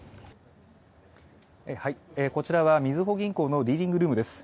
こちらはみずほ銀行のディーリングルームです。